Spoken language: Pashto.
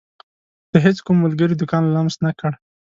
د هيڅ کوم ملګري دکان لمس نه کړ.